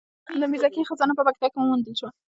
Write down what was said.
د میرزکې خزانه په پکتیا کې وموندل شوه